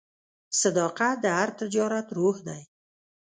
صداقت د هر تجارت روح دی.